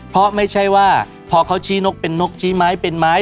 เพราะไม่ใช่ว่าพอเขาชี้นกเป็นนกชี้ไม้เป็นไม้